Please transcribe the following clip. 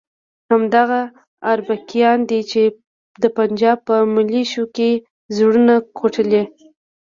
همدغه اربکیان دي چې د پنجاب په ملیشو کې زړونه کوټلي.